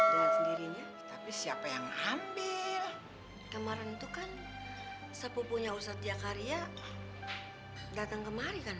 dengan sendirinya tapi siapa yang ambil kemarin itu kan sepupunya ustadz jakarya datang kemari kan